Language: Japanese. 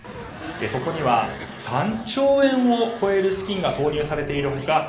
そこには、３兆円を超える資金が投入されている他